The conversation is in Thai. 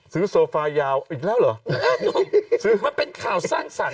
โซฟายาวอีกแล้วเหรอมันเป็นข่าวสร้างสรรค